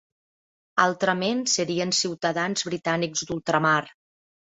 Altrament serien ciutadans britànics d'ultramar.